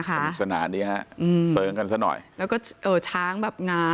นะคะสนุกสนานนี้หาอืมเสิร์ฟกันสักหน่อยแล้วก็เอ่อช้างแบบ